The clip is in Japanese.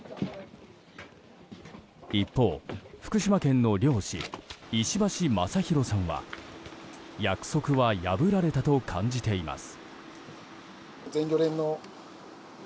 一方、福島県の漁師石橋正裕さんは約束は破られたと感じています。